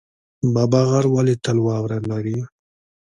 بابا غر ولې تل واوره لري؟